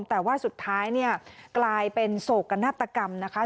แต่ว่าสุดท้ายเนี่ยกลายเป็นโศกนาฏกรรมนะคะ